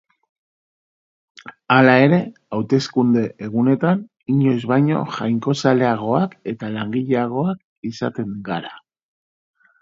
Hala ere, hauteskunde-egunetan inoiz baino jainkozaleagoak eta langileagoak izaten gara.